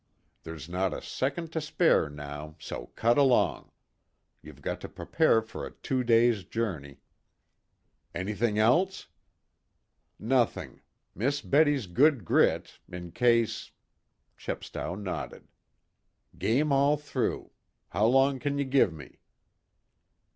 There's not a second to spare now, so cut along. You've got to prepare for a two days' journey." "Anything else?" "Nothing. Miss Betty's good grit in case ?" Chepstow nodded. "Game all through. How long can you give me?"